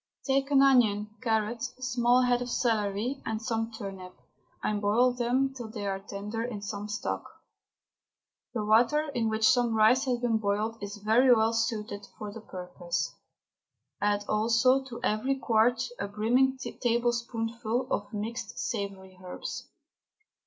Take an onion, carrot, small head of celery, and some turnip, and boil them till they are tender in some stock. The water in which some rice has been boiled is very well suited for the purpose. Add also to every quart a brimming tablespoonful of mixed savoury herbs.